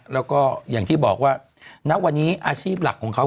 แล้วก็อย่างที่บอกว่าณวันนี้อาชีพหลักของเขา